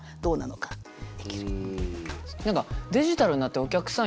何かデジタルになってお客さん